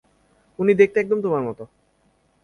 উনি দেখতে একদম তোমার মতো।